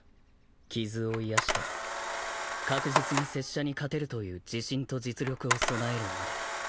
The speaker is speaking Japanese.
傷を癒やして確実に拙者に勝てるという自信と実力を備えるまで。